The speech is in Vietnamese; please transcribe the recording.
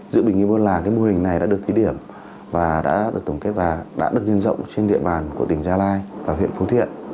giữa bình nghiên bố là cái mô hình này đã được thí điểm và đã được tổng kết và đã được nhân rộng trên địa bàn của tỉnh gia lai và huyện phú thiện